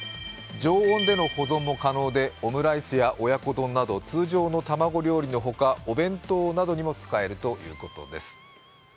常温での保存も可能でオムライスや親子丼など通常の卵料理の他、お弁当などにも使えるということです。